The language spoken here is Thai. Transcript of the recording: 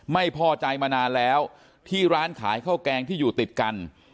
ไม่พอใจมานานแล้วที่ร้านขายข้าวแกงที่อยู่ติดกัน